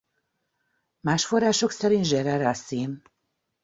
Más források szerint Gerard Racine.